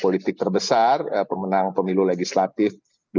politik terbesar pemenang pemilu legislatif dua ribu dua puluh empat